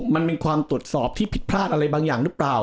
มันเป็นความตรวจสอบที่ผิดพลาดอะไรบางอย่างหรือเปล่า